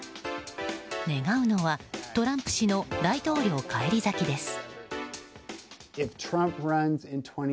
願うのはトランプ氏の大統領返り咲きです。